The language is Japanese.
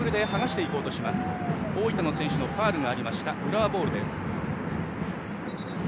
大分の選手のファウルがあって浦和ボールです。